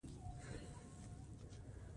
وادي د افغانستان د فرهنګي فستیوالونو برخه ده.